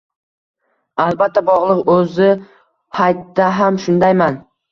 – Albatta, bog‘liq. O‘zi haytda ham shundayman.